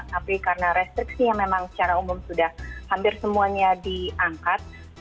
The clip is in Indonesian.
tapi karena restriksinya memang secara umum sudah hampir semuanya diangkat